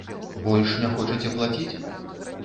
Больш не хочаце плаціць?